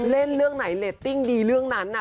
เล่นเรื่องไหนเรตติ้งดีเรื่องนั้นน่ะ